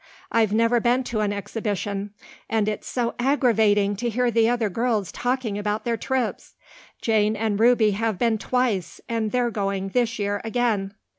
I've never been to an Exhibition, and it's so aggravating to hear the other girls talking about their trips. Jane and Ruby have been twice, and they're going this year again."